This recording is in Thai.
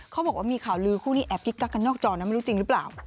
เขาบอกว่ามีข่าวลือคู่นี้แอบกิ๊กกักกันนอกจอนะไม่รู้จริงหรือเปล่า